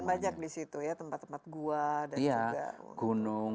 dan banyak di situ ya tempat tempat gua dan juga gunung